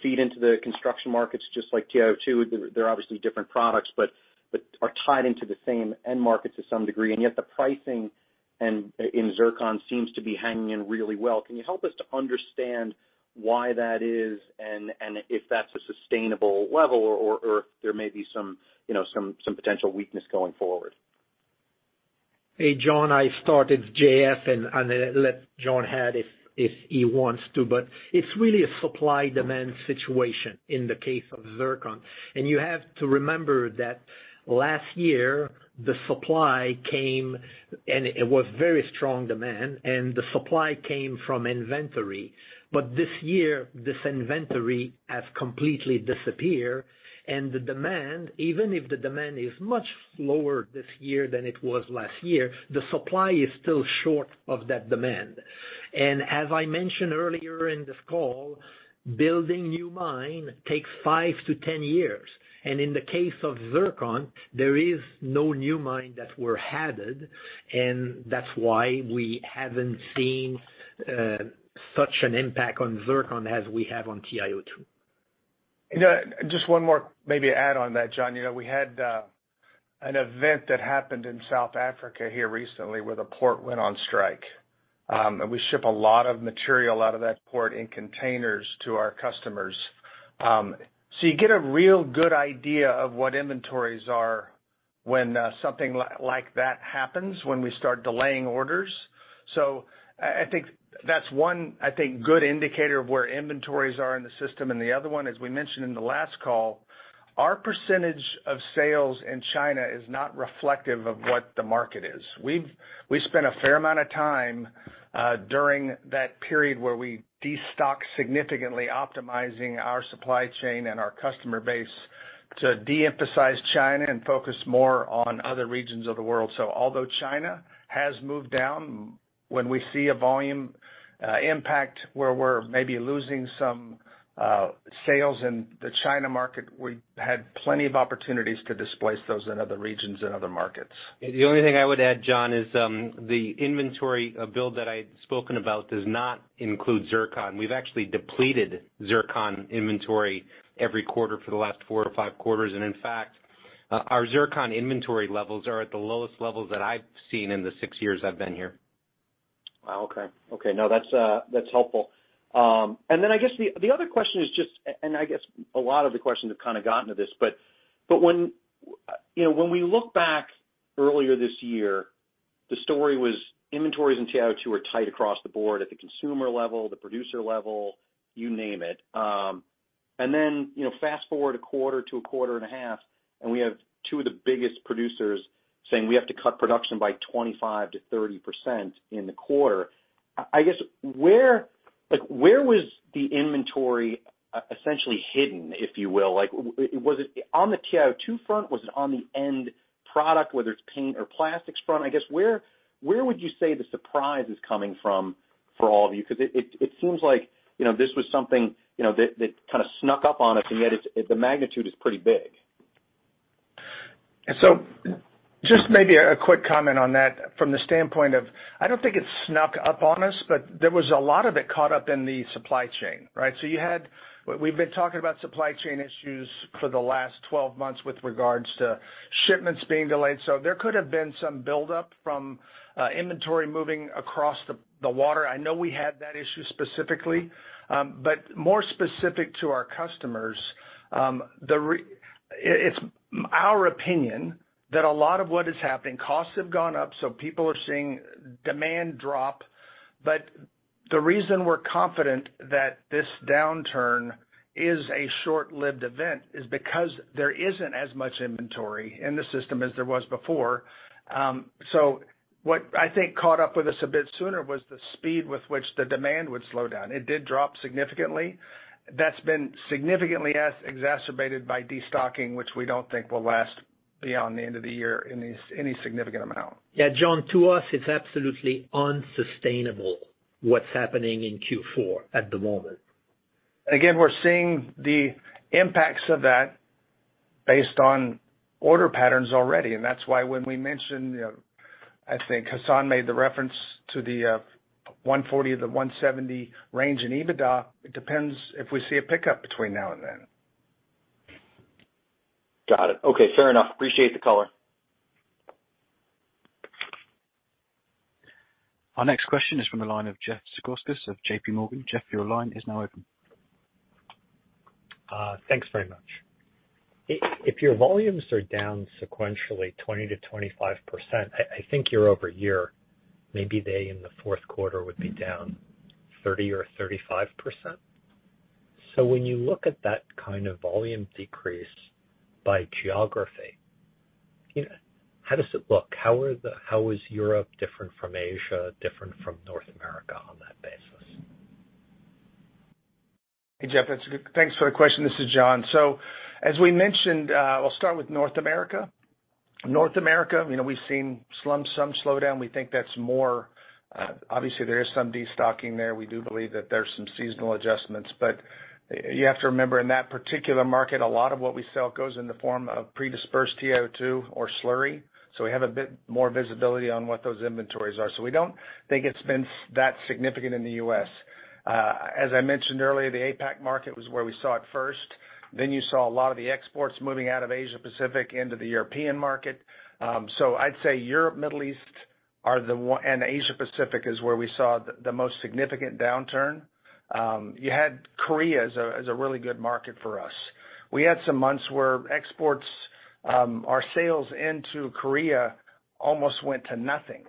feed into the construction markets just like TiO2. They're obviously different products but are tied into the same end markets to some degree. Yet the pricing in zircon seems to be hanging in really well. Can you help us to understand why that is and if that's a sustainable level or if there may be some, you know, potential weakness going forward?
Hey, John, it's Jean, and let John add if he wants to. It's really a supply-demand situation in the case of zircon. You have to remember that last year, the supply came, and it was very strong demand, and the supply came from inventory. This year, this inventory has completely disappear, and the demand, even if the demand is much lower this year than it was last year, the supply is still short of that demand. As I mentioned earlier in this call, building new mine takes five-10 years. In the case of zircon, there is no new mine that we're aware of, and that's why we haven't seen such an impact on zircon as we have on TiO2.
You know, just one more maybe add on that, John. You know, we had an event that happened in South Africa here recently where the port went on strike. We ship a lot of material out of that port in containers to our customers. You get a real good idea of what inventories are when something like that happens, when we start delaying orders. I think that's one good indicator of where inventories are in the system. The other one, as we mentioned in the last call, our percentage of sales in China is not reflective of what the market is. We spent a fair amount of time during that period where we destocked significantly optimizing our supply chain and our customer base to de-emphasize China and focus more on other regions of the world. Although China has moved down, when we see a volume impact where we're maybe losing some sales in the China market, we had plenty of opportunities to displace those in other regions and other markets.
The only thing I would add, John, is the inventory build that I had spoken about does not include zircon. We've actually depleted zircon inventory every quarter for the last four to five quarters. In fact, our zircon inventory levels are at the lowest levels that I've seen in the six years I've been here.
Wow. Okay. No, that's helpful. I guess the other question is just and I guess a lot of the questions have kind of gotten to this, but when you know, when we look back earlier this year, the story was inventories in TiO2 were tight across the board at the consumer level, the producer level, you name it. You know, fast-forward a quarter to a quarter and a half, and we have two of the biggest producers saying we have to cut production by 25%-30% in the quarter. I guess where was the inventory essentially hidden, if you will? Like, was it on the TiO2 front? Was it on the end product, whether it's paint or plastics front? I guess, where would you say the surprise is coming from for all of you? 'Cause it seems like, you know, this was something, you know, that kind of snuck up on us, and yet it's the magnitude is pretty big.
Just maybe a quick comment on that from the standpoint of, I don't think it snuck up on us, but there was a lot of it caught up in the supply chain, right? We've been talking about supply chain issues for the last 12 months with regards to shipments being delayed, so there could have been some buildup from inventory moving across the water. I know we had that issue specifically. More specific to our customers, it's our opinion that a lot of what is happening, costs have gone up, so people are seeing demand drop. The reason we're confident that this downturn is a short-lived event is because there isn't as much inventory in the system as there was before. What I think caught up with us a bit sooner was the speed with which the demand would slow down. It did drop significantly. That's been significantly exacerbated by destocking, which we don't think will last beyond the end of the year in any significant amount.
Yeah, John, to us, it's absolutely unsustainable what's happening in Q4 at the moment.
Again, we're seeing the impacts of that based on order patterns already, and that's why when we mentioned, you know, I think Hassan made the reference to the 140-170 range in EBITDA. It depends if we see a pickup between now and then.
Got it. Okay, fair enough. Appreciate the color.
Our next question is from the line of Jeff Zekauskas of JP Morgan. Jeff, your line is now open.
Thanks very much. If your volumes are down sequentially 20%-25%, I think year over year, maybe they in the Q4 would be down 30% or 35%. When you look at that kind of volume decrease by geography, you know, how does it look? How is Europe different from Asia, different from North America on that basis?
Hey, Jeff. That's good. Thanks for the question. This is John. As we mentioned, I'll start with North America. North America, we've seen some slowdown. We think that's more obviously there is some destocking there. We do believe that there's some seasonal adjustments. You have to remember, in that particular market, a lot of what we sell goes in the form of pre-dispersed TiO2 or slurry, so we have a bit more visibility on what those inventories are. We don't think it's been that significant in the U.S. As I mentioned earlier, the APAC market was where we saw it first. You saw a lot of the exports moving out of Asia Pacific into the European market. I'd say Europe, Middle East are the and Asia Pacific is where we saw the most significant downturn. You had Korea as a really good market for us. We had some months where exports, our sales into Korea almost went to nothing.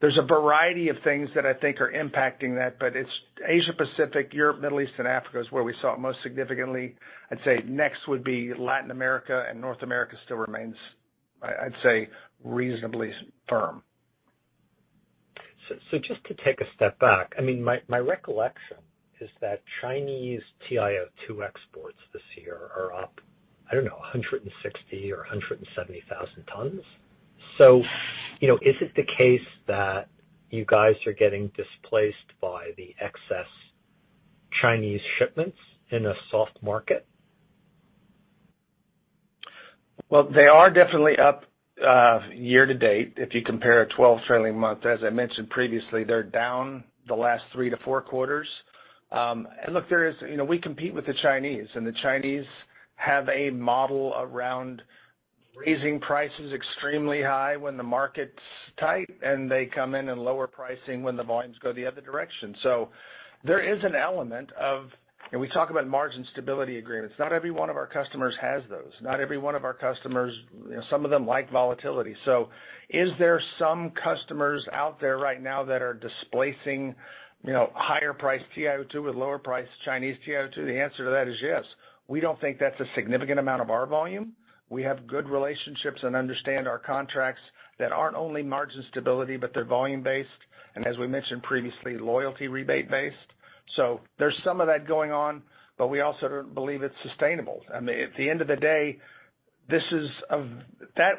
There's a variety of things that I think are impacting that, but it's Asia Pacific, Europe, Middle East, and Africa is where we saw it most significantly. I'd say next would be Latin America, and North America still remains. I'd say, reasonably strong.
Just to take a step back, I mean, my recollection is that Chinese TiO2 exports this year are up, I don't know, 160,000 or 170,000 tons. You know, is it the case that you guys are getting displaced by the excess Chinese shipments in a soft market?
Well, they are definitely up year to date if you compare a trailing 12-month. As I mentioned previously, they're down the last 3-4 quarters. Look, you know, we compete with the Chinese, and the Chinese have a model around raising prices extremely high when the market's tight, and they come in and lower pricing when the volumes go the other direction. We talk about margin stability agreements. Not every one of our customers has those. Not every one of our customers, you know, some of them like volatility. So is there some customers out there right now that are displacing, you know, higher priced TiO2 with lower priced Chinese TiO2? The answer to that is yes. We don't think that's a significant amount of our volume. We have good relationships and understand our contracts that aren't only margin stability, but they're volume-based, and as we mentioned previously, loyalty rebate based. There's some of that going on, but we also don't believe it's sustainable. I mean, at the end of the day, this is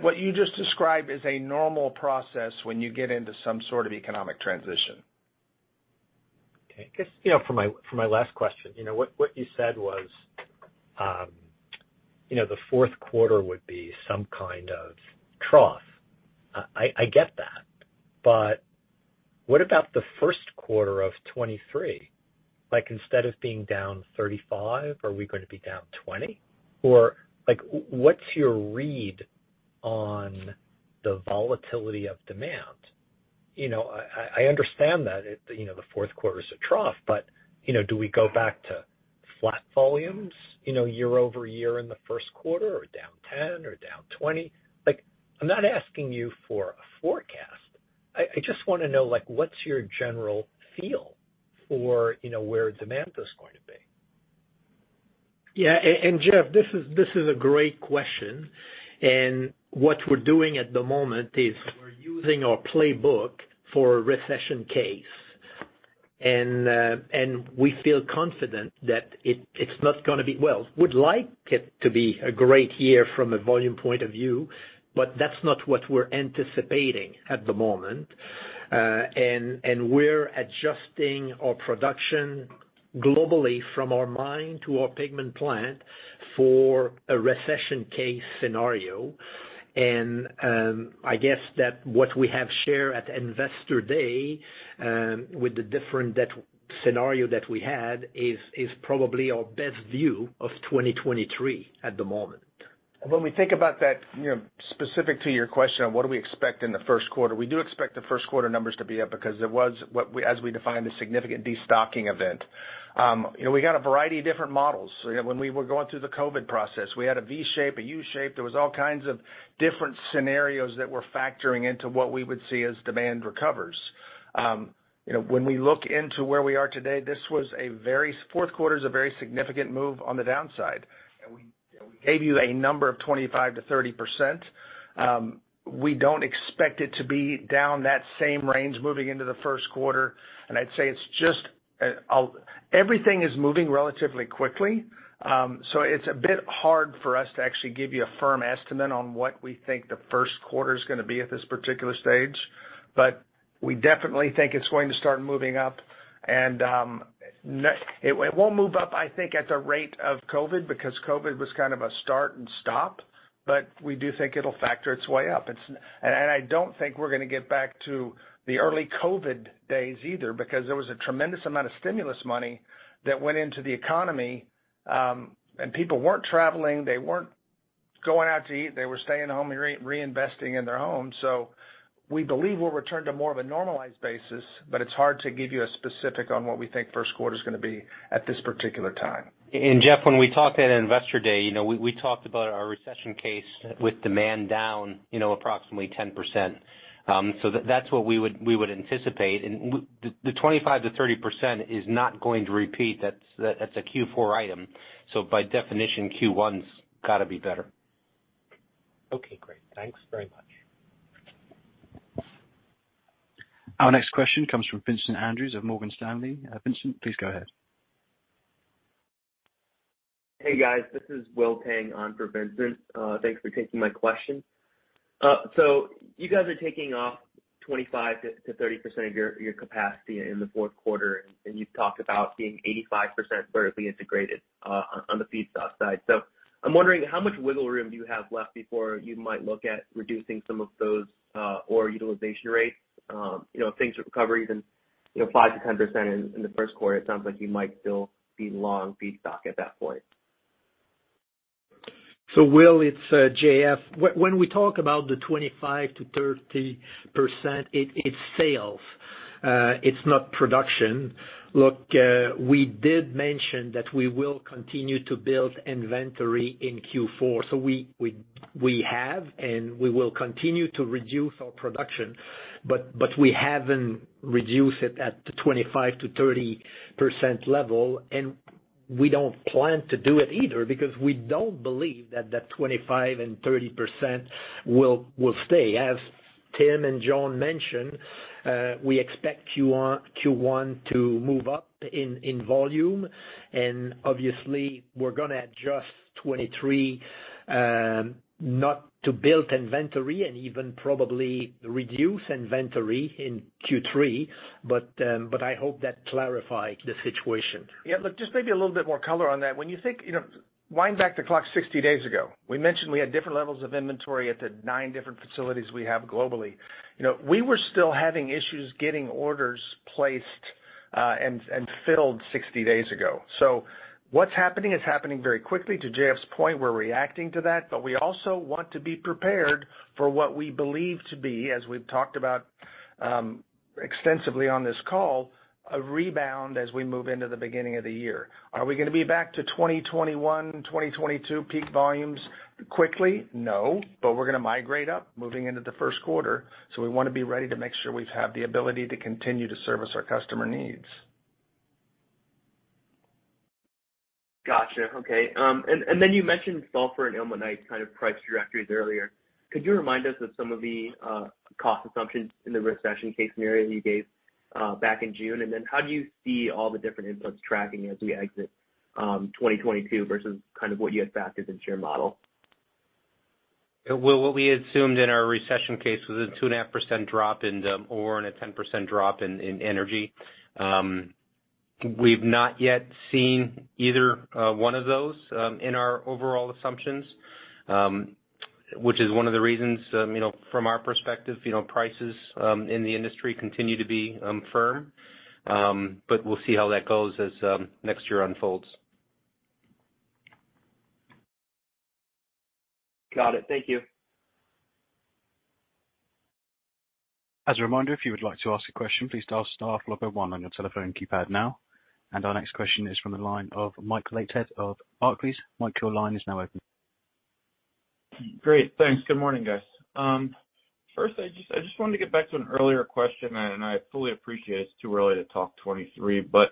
what you just described is a normal process when you get into some sort of economic transition.
Okay. Just, you know, for my last question. You know what you said was, you know, the Q4 would be some kind of trough. I get that. What about the Q1 of 2023? Like, instead of being down 35%, are we going to be down 20%? Or like, what's your read on the volatility of demand? You know, I understand that it, you know, the Q4 is a trough, but, you know, do we go back to flat volumes, you know, year-over-year in the Q1 or down 10% or down 20%? Like, I'm not asking you for a forecast. I just wanna know, like, what's your general feel for, you know, where demand is going to be?
Jeff, this is a great question. What we're doing at the moment is we're using our playbook for a recession case. We feel confident that it's not gonna be. Well, we'd like it to be a great year from a volume point of view, but that's not what we're anticipating at the moment. We're adjusting our production globally from our mine to our pigment plant for a recession case scenario. I guess that what we have shared at Investor Day with the different debt scenario that we had is probably our best view of 2023 at the moment.
When we think about that, you know, specific to your question, what do we expect in the Q1? We do expect the Q1 numbers to be up because there was, as we defined, a significant destocking event. You know, we got a variety of different models. When we were going through the COVID process, we had a V shape, a U shape. There was all kinds of different scenarios that we're factoring into what we would see as demand recovers. You know, when we look into where we are today, Q4 is a very significant move on the downside. We gave you a number of 25%-30%. We don't expect it to be down that same range moving into the Q1. I'd say it's just everything is moving relatively quickly. It's a bit hard for us to actually give you a firm estimate on what we think the Q1 is gonna be at this particular stage. We definitely think it's going to start moving up. It won't move up, I think, at the rate of COVID, because COVID was kind of a start and stop, but we do think it'll work its way up. I don't think we're gonna get back to the early COVID days either, because there was a tremendous amount of stimulus money that went into the economy, and people weren't traveling, they weren't going out to eat. They were staying home and reinvesting in their homes. We believe we'll return to more of a normalized basis, but it's hard to give you a specific on what we think Q1 is gonna be at this particular time.
Jeff, when we talked at Investor Day, you know, we talked about our recession case with demand down, you know, approximately 10%. So that's what we would anticipate. The 25%-30% is not going to repeat. That's a Q4 item. By definition, Q1's gotta be better.
Okay, great. Thanks very much.
Our next question comes from Vincent Andrews of Morgan Stanley. Vincent, please go ahead.
Hey, guys. This is William Tang on for Vincent. Thanks for taking my question. You guys are taking off 25%-30% of your capacity in the Q4, and you've talked about being 85% vertically integrated on the feedstock side. I'm wondering how much wiggle room do you have left before you might look at reducing some of those ore utilization rates? You know, if things recover even, you know, 5%-10% in the Q1, it sounds like you might still be long feedstock at that point.
Will, it's JF. When we talk about the 25%-30%, it's sales, it's not production. Look, we did mention that we will continue to build inventory in Q4. We have, and we will continue to reduce our production, but we haven't reduced it at the 25%-30% level, and we don't plan to do it either because we don't believe that 25%-30% will stay. As Tim and John mentioned, we expect Q1 to move up in volume, and obviously we're gonna adjust 2023, not to build inventory and even probably reduce inventory in Q3. I hope that clarified the situation.
Yeah. Look, just maybe a little bit more color on that. When you think, you know, wind back the clock 60 days ago, we mentioned we had different levels of inventory at the nine different facilities we have globally. You know, we were still having issues getting orders placed, and filled 60 days ago. What's happening is happening very quickly. To Jean's point, we're reacting to that, but we also want to be prepared for what we believe to be, as we've talked about, extensively on this call, a rebound as we move into the beginning of the year. Are we gonna be back to 2021, 2022 peak volumes quickly? No, but we're gonna migrate up moving into the Q1. We wanna be ready to make sure we have the ability to continue to service our customer needs.
Gotcha. Okay. You mentioned sulfur and ilmenite kind of price trajectories earlier. Could you remind us of some of the cost assumptions in the recession case scenario you gave back in June? How do you see all the different inputs tracking as we exit 2022 versus kind of what you had factored into your model?
Will, what we assumed in our recession case was a 2.5% drop in the ore and a 10% drop in energy. We've not yet seen either one of those in our overall assumptions, which is one of the reasons you know from our perspective you know prices in the industry continue to be firm. We'll see how that goes as next year unfolds.
Got it. Thank you.
As a reminder, if you would like to ask a question, please dial star one on your telephone keypad now. Our next question is from the line of Michael Leithead of Barclays. Michael, your line is now open.
Great. Thanks. Good morning, guys. First, I just wanted to get back to an earlier question, and I fully appreciate it's too early to talk 2023, but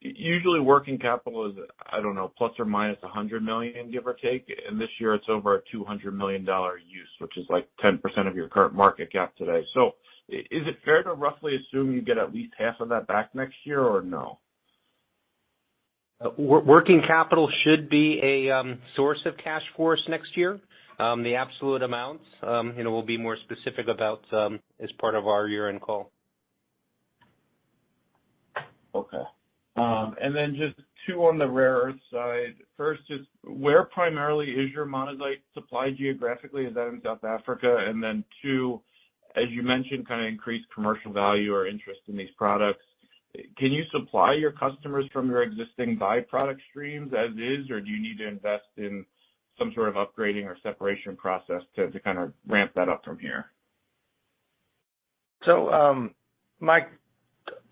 usually working capital is, I don't know, ±$100 million, give or take. This year it's over a $200 million use, which is like 10% of your current market cap today. Is it fair to roughly assume you get at least half of that back next year or no?
Working capital should be a source of cash for us next year. The absolute amounts, you know, we'll be more specific about as part of our year-end call.
Just two on the rare earth side. First is where primarily is your monazite supply geographically? Is that in South Africa? Two, as you mentioned, kind of increased commercial value or interest in these products, can you supply your customers from your existing byproduct streams as is? Or do you need to invest in some sort of upgrading or separation process to kind of ramp that up from here?
Mike,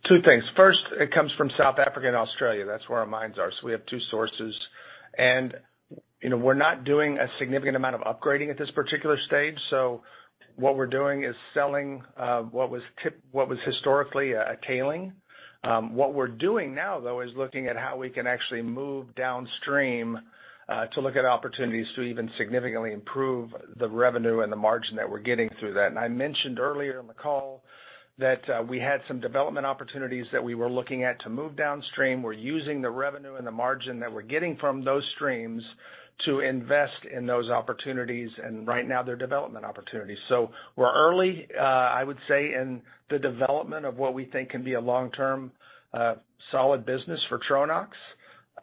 two things. First, it comes from South Africa and Australia. That's where our mines are. We have two sources and, you know, we're not doing a significant amount of upgrading at this particular stage. What we're doing is selling what was historically a tailing. What we're doing now though is looking at how we can actually move downstream to look at opportunities to even significantly improve the revenue and the margin that we're getting through that. I mentioned earlier in the call that we had some development opportunities that we were looking at to move downstream. We're using the revenue and the margin that we're getting from those streams to invest in those opportunities. Right now they're development opportunities. We're early, I would say in the development of what we think can be a long-term, solid business for Tronox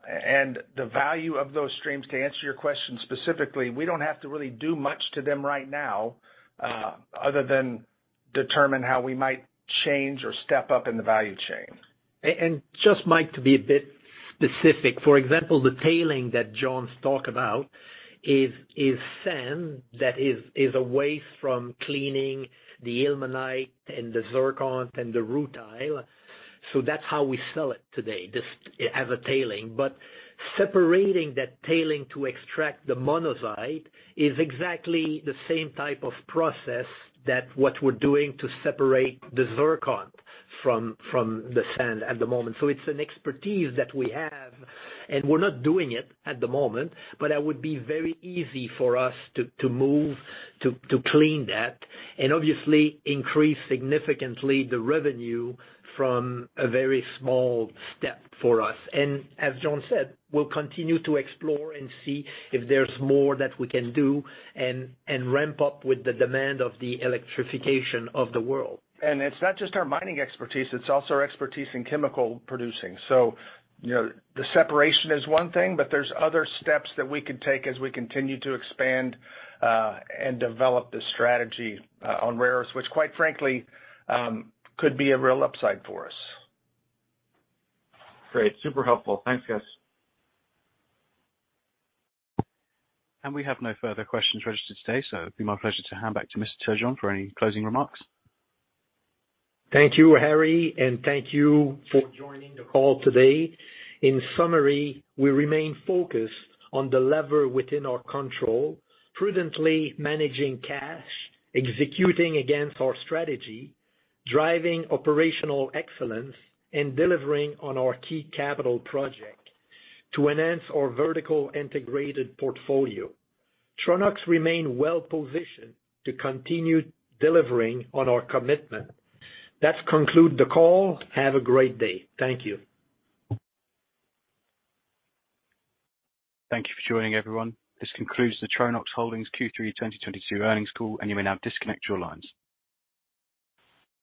and the value of those streams. To answer your question specifically, we don't have to really do much to them right now, other than determine how we might change or step up in the value chain.
Just Mike, to be a bit specific, for example, the tailing that John's talked about is sand that is a waste from cleaning the ilmenite and the zircon and the rutile. That's how we sell it today, just as a tailing. Separating that tailing to extract the monazite is exactly the same type of process that what we're doing to separate the zircon from the sand at the moment. It's an expertise that we have, and we're not doing it at the moment, but that would be very easy for us to move to clean that and obviously increase significantly the revenue from a very small step for us. As John said, we'll continue to explore and see if there's more that we can do and ramp up with the demand of the electrification of the world.
It's not just our mining expertise, it's also our expertise in chemical producing. You know, the separation is one thing, but there's other steps that we can take as we continue to expand and develop the strategy on rare earths, which quite frankly could be a real upside for us.
Great. Super helpful. Thanks guys.
We have no further questions registered today, so it'd be my pleasure to hand back to Mr. Turgeon for any closing remarks.
Thank you, Harry, and thank you for joining the call today. In summary, we remain focused on the lever within our control, prudently managing cash, executing against our strategy, driving operational excellence, and delivering on our key capital project to enhance our vertical integrated portfolio. Tronox remain well positioned to continue delivering on our commitment. That conclude the call. Have a great day. Thank you.
Thank you for joining everyone. This concludes the Tronox Holdings Q3 2022 earnings call, and you may now disconnect your lines.